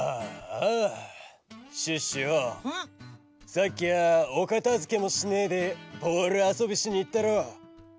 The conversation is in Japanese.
・さっきはおかたづけもしねえでボールあそびしにいったろ！